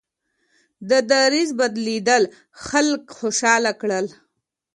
د دریځ بدلېدل خلک خوشحاله کړل.